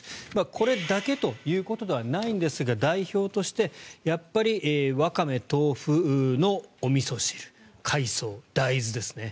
これだけということではないんですが代表としてやっぱりワカメ、豆腐のおみそ汁海藻、大豆ですね。